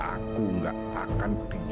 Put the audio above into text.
aku nggak akan diam atas ini